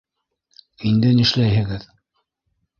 Инде нишләйһегеҙ?